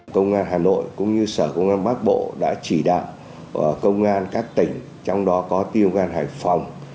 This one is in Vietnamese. công an hà nội cũng như sở công an bắc bộ đã chỉ đạo công an các tỉnh trong đó có ti công an hải phòng